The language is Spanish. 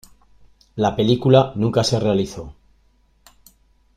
La película nunca se realizó.